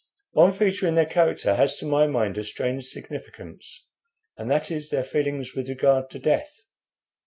"One feature in their character has to my mind a strange significance, and that is their feelings with regard to death.